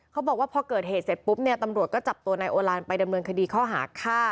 เขาบอกว่าพอเกิดเหตุเสร็จปุ๊บเนี่ยตำรวจก็จับตัวนายโอลานไปดำเนินคดีข้อหาฆ่า